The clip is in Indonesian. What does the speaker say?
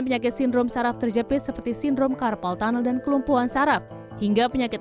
penyakit sindrom saraf terjepit seperti sindrom carpal tunnel dan kelumpuhan saraf hingga penyakit